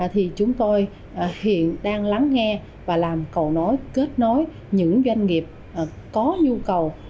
thì chúng tôi hiện đang lắng nghe và làm cầu nối kết nối những doanh nghiệp có nhu cầu